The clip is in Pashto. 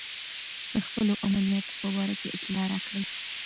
د خپلو عملیاتو په باره کې اطلاع راکړئ.